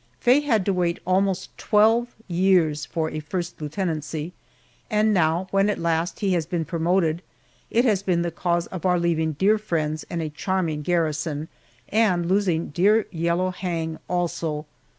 Faye had to wait almost twelve years for a first lieutenancy, and now, when at last he has been promoted, it has been the cause of our leaving dear friends and a charming garrison, and losing dear yellow Hang, also.